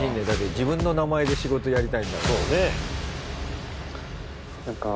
だって自分の名前で仕事やりたいんだもん。